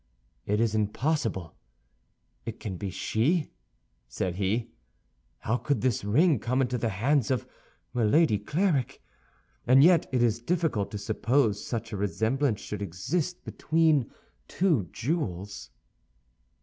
"It is impossible it can be she," said he. "How could this ring come into the hands of Milady Clarik? And yet it is difficult to suppose such a resemblance should exist between two jewels."